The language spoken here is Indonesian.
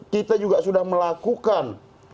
kita juga sudah melakukan